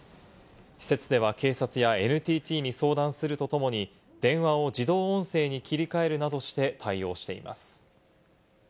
施設では警察やＮＴＴに相談するとともに、電話を自動音声に切り替えるなどして対応しています。